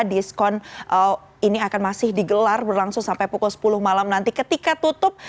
diskon ini akan masih digelar berlangsung sampai pukul sepuluh malam nanti ketika tutup